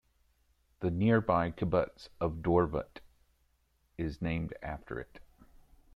The nearby kibbutz of Dovrat is named after it.